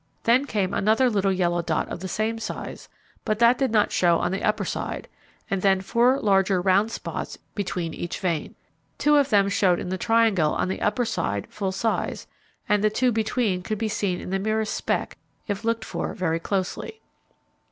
Then came another little yellow dot of the same size, that did not show on the upper side, and then four larger round spots between each vein. Two of them showed in the triangle on the upper side full size, and the two between could be seen in the merest speck, if looked for very closely.